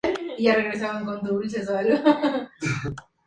El siguiente cladograma se basa en el estudio hecho por Novas "et al.